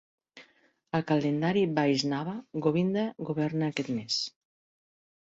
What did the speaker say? Al calendari Vaishnava, Govinda governa aquest mes.